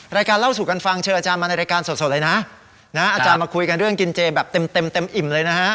รายการเล่าสู่กันฟังเชิญอาจารย์มาในรายการสดเลยนะอาจารย์มาคุยกันเรื่องกินเจแบบเต็มเต็มอิ่มเลยนะฮะ